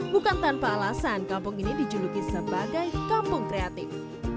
bukan tanpa alasan kampung ini dijuluki sebagai kampung kreatif